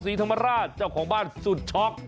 ศรีธรรมราชเจ้าของบ้านสุดช็อก